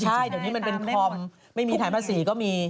ใช่เดี๋ยวนี้มันเป็นคอมไม่มีฐานภาษีก็มี